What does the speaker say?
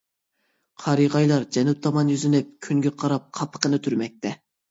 قارىغايلار جەنۇب تامان يۈزلىنىپ، كۈنگە قاراپ قاپىقىنى تۈرمەكتە.